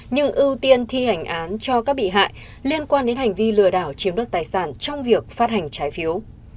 nhưng ưu tiên thi hành án cho các bị hại liên quan đến hành vi lừa đảo chiếm đoạt tài sản trong việc phát hành trái phiếu